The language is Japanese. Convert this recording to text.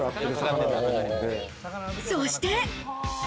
そして。